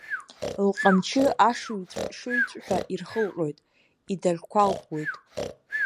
Лҟамчы ашыҩҵә-шыҩҵәҳәа ирхылҟьоит, идаӷьқәалтәуеит.